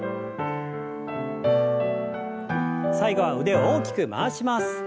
最後は腕を大きく回します。